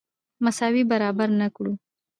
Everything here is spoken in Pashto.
مساوي برابر نه کړو.